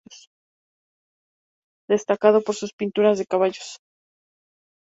Destacado por sus pinturas de caballos.